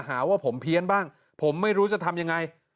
หาว่าผมเพี้ยนบ้างผมไม่รู้จะทำยังไง